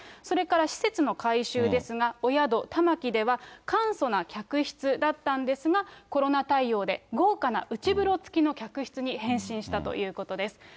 それから施設の改修ですが、お宿玉樹では、簡素な客室だったんですが、コロナ対応で豪華な内風呂付きの客室に変身したということです。